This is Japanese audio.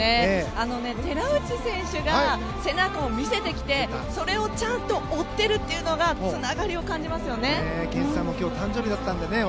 寺内選手が背中を見せてきて、それをちゃんと追っているというのがつながりを感じますよね。